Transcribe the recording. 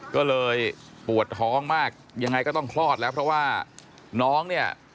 ก็เลยปวดท้องมากยังไงก็ต้องคลอดแล้วเพราะว่าน้องเนี่ย